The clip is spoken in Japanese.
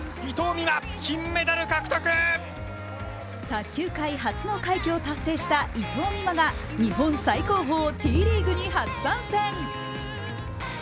卓球界初の快挙を達成した伊藤美誠が日本最高峰・Ｔリーグに初参戦。